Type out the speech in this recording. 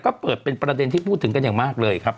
ก็เปิดเป็นประเด็นที่พูดถึงกันอย่างมากเลยครับ